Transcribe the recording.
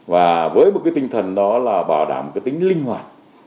và với một cái tinh thần đó là bảo đảm cái tính linh hoạt